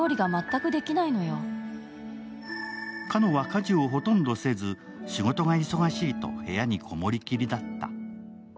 花野は家事をほとんどせず仕事が忙しいと部屋に籠もりきりだった。